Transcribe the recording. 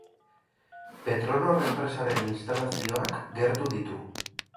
Petronor enpresaren instalazioak gertu ditu.